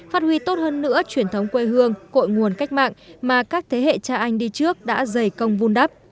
phát huy tốt hơn nữa truyền thống quê hương cội nguồn cách mạng mà các thế hệ cha anh đi trước đã dày công vun đắp